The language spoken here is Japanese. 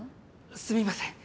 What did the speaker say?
すみません